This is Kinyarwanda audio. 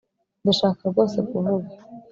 Ndashaka rwose kuvuga